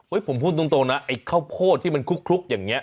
ผมพูดตรงนะไอ้ข้าวโพดที่มันคลุกอย่างนี้